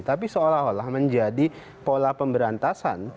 tapi seolah olah menjadi pola pemberantasan